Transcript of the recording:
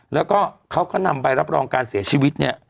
แล้วก็เขาก็นำใบรับรองการเสียชีวิตเนี่ย